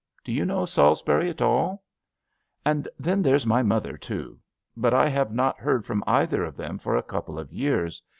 Do you know Salisbury at allt And then there's my mother, too. But I have not heard from either of them for a couple of years.